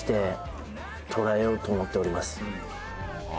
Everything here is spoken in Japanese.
捉えようと思っております。